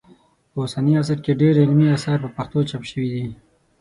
په اوسني عصر کې ډېر علمي اثار په پښتو چاپ سوي دي